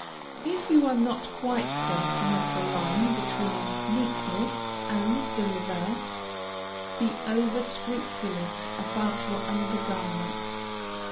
If you are not quite certain of the line between neatness and the reverse, be over scrupulous about your under garments.